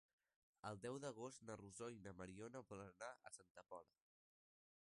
El deu d'agost na Rosó i na Mariona volen anar a Santa Pola.